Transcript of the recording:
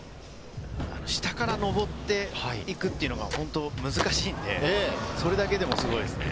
下からのぼっていくというのが本当に難しいんで、それだけでもすごいですね。